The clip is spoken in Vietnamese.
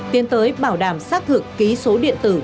tiến tới bảo đảm xác thực ký số điện tử